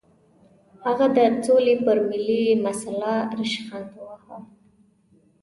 هغه د سولې پر ملي مسله ریشخند وواهه.